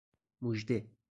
مژده